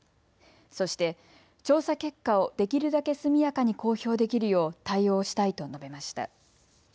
そして調査結果をできるだけ速やかに公表できるよう対応したいと述べました。